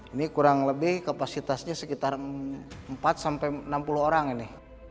ini kurang lebih kapasitasnya sekitar empat sampai enam puluh orang ini